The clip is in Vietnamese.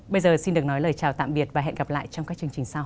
bây giờ xin được nói lời chào tạm biệt và hẹn gặp lại trong các chương trình sau